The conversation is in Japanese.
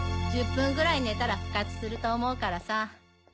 １０分ぐらい寝たら復活すると思うからさ。